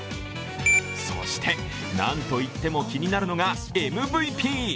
そして、何と言っても気になるのがＭＶＰ。